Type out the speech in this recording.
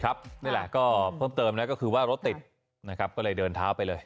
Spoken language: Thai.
นี่แหละก็เพิ่มเติมนะก็คือว่ารถติดนะครับก็เลยเดินเท้าไปเลย